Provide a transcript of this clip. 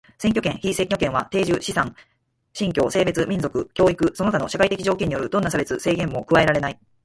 選挙権、被選挙権は定住、資産、信教、性別、民族、教育その他の社会的条件によるどんな差別、制限をも加えられない。